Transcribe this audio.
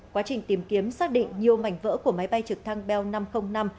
quá trình tìm kiếm xác định nhiều mảnh vỡ của máy bay trực thăng bel năm trăm linh năm